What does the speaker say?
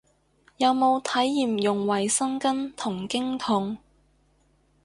有體驗用衛生巾同經痛